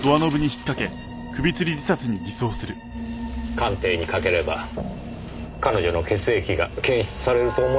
鑑定にかければ彼女の血液が検出されると思いますよ。